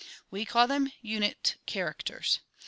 We call them unit characters.